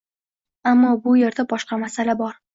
Ammo bu erda boshqa masala bor